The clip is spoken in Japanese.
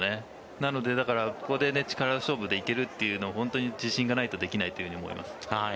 なので、ここで力勝負で行けるというのは本当に自信がないとできないと思います。